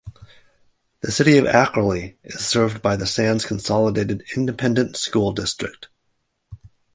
The City of Ackerly is served by the Sands Consolidated Independent School District.